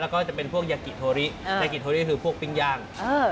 แล้วก็จะเป็นพวกยากิโทริยากิโทริคือพวกปิ้งย่าง